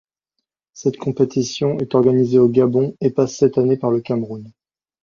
Cette compétition est organisée au Gabon et passe cette année par le Cameroun.